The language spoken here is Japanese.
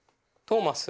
トーマス。